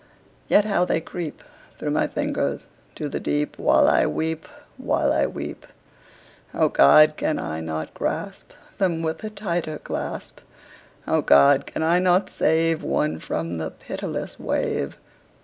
yet how they creep Through my fingers to the deep While I weep while I weep! O God! can I not grasp Them with a tighter clasp? O God! can I not save One from the pitiless wave?